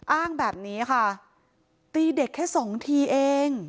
อ้างแบบนี้ค่ะตีเด็กแค่สองทีเอง